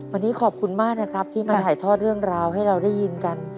วันนี้ขอบคุณมากนะครับที่มาถ่ายทอดเรื่องราวให้เราได้ยินกัน